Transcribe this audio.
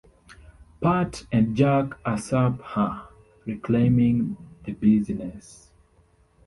Pat and Jack usurp her, reclaiming the business.